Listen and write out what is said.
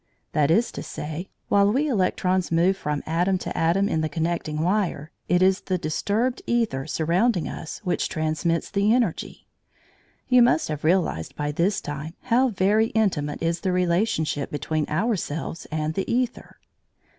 That is to say, while we electrons move from atom to atom in the connecting wire, it is the disturbed æther surrounding us which transmits the energy. You must have realised by this time how very intimate is the relationship between ourselves and the æther.